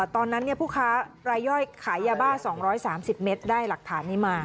ตอนนั้นเนี่ยผู้ค้ารายย่อยขายาบ้าสองร้อยสามสิบเมตรได้หลักฐานี้มา